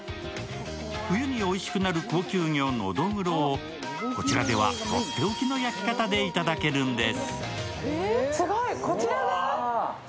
冬においしくなる高級魚のどぐろをこちらではとっておきの焼き方でいただけるんです。